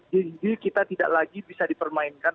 jadi kita tidak lagi bisa dipermainkan